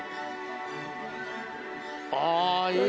あぁいい。